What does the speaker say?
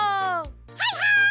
はいはい！